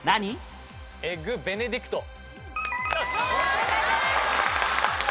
正解です。